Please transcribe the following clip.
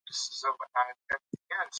خو پښتو مه هېروئ.